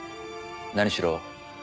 何しろ